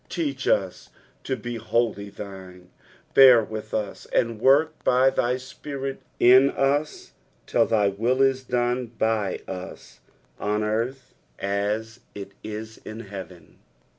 Teach us to be wholly thine. Bear with us, and work by thy Spirit in us till thy will is dono b; us on earth as it ia in heaven.